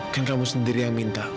kan kamu sendiri yang minta